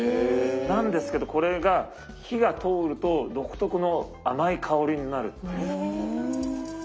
なんですけどこれが火が通ると独特の甘い香りになる。